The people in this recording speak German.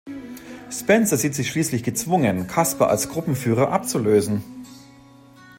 Spencer sieht sich schließlich gezwungen, Casper als Gruppenführer abzulösen.